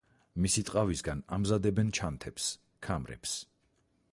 მისი ტყავისგან ამზადებენ ჩანთებს, ქამრებს.